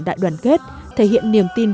đại đoàn kết thể hiện niềm tin